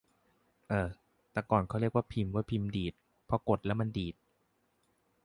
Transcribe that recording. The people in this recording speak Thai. เออ ตะก่อนเค้าเรียกพิมพ์ว่าพิมพ์ดีด เพราะกดแล้วมันดีด